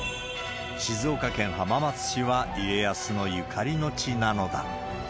静岡県浜松市は家康のゆかりの地なのだ。